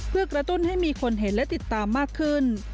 เพื่อกระตุ้นให้มีคนเห็นและติดตามมากขึ้น